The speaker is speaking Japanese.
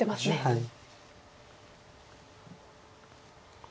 はい。